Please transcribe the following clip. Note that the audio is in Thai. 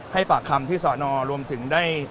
ให้ปากคำที่สอนอรวมถึงได้